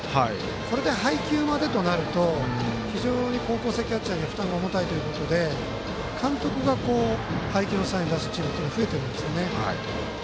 これで配球までとなると高校生キャッチャーで負担が重たいということで監督が配球のサインを出すチームは増えているんですね。